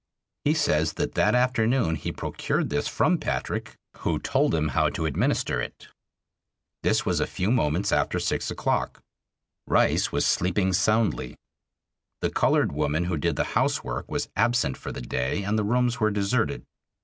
He says that that afternoon he procured this from Patrick, who told him how to administer it. This was a few moments after six o'clock. Rice was sleeping soundly. The colored woman who did the housework was absent for the day and the rooms were deserted.